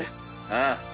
ああ。